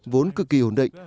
vốn cực kỳ ổn định